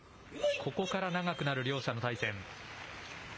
ここから長くなる両者の対戦。